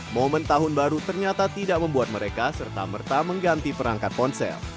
momen tahun baru ternyata tidak membuat mereka serta merta mengganti perangkat ponsel